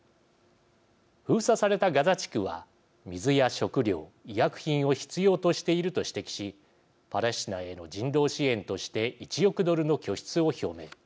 封鎖されたガザ地区は水や食料、医薬品を必要としていると指摘しパレスチナへの人道支援として１億ドルの拠出を表明。